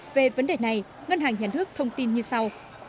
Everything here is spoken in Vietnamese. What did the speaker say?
về vấn đề này ngân hàng nhà nước thông tin như sau